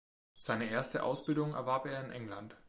Seine erste Ausbildung erwarb er in England.